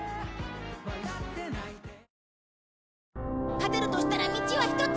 勝てるとしたら道は一つ。